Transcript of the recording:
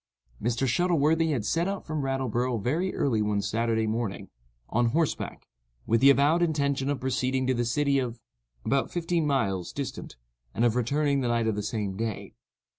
Mr. Shuttleworthy had set out from Rattleborough very early one Saturday morning, on horseback, with the avowed intention of proceeding to the city of ——, about fifteen miles distant, and of returning the night of the same day.